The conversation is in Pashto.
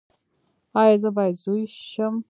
ایا زه باید زوی شم؟